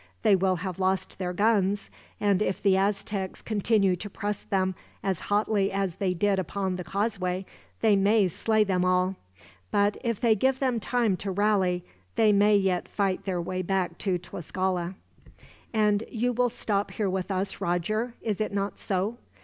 They will have lost their guns, and if the Aztecs continue to press them as hotly as they did upon the causeway, they may slay them all; but if they give them time to rally, they may yet fight their way back to Tlascala." "And you will stop here with us, Roger. Is it not so?"